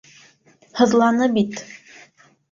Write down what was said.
Һыҙланы бит...